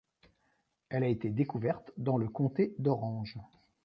Elle a été découverte dans le comté d'Orange.